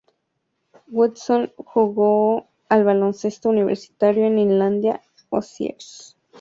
Woodson jugó al baloncesto universitario en Indiana Hoosiers, siendo un protegido de Bobby Knight.